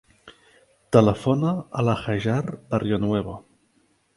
Telefona a la Hajar Barrionuevo.